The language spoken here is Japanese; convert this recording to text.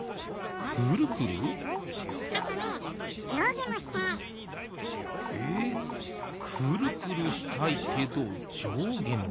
くるくるしたいけどじょうげもしたい。